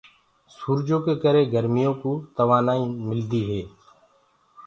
سوُرجو ڪي ڪري گر سي ڪوُ توآبآئي ميدي هي۔